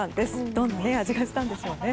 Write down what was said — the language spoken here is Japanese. どんな味がしたんでしょうね。